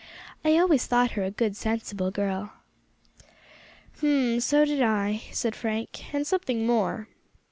"I always thought her a good, sensible girl." "Hm! so did I," said Frank, "and something more."